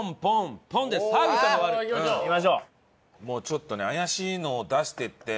ちょっとね怪しいのを出していって。